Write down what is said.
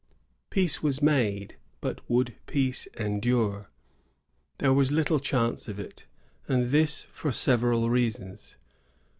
[1651 Peace was made ; but would peace endure ? There was little chance of it| and this for several reasons.